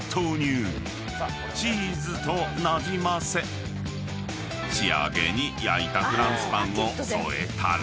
［チーズとなじませ仕上げに焼いたフランスパンを添えたら］